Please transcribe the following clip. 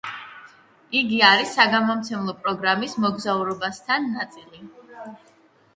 იგი არის საგამომცემლო პროგრამის „მოგზაურობა სთან“ ნაწილი.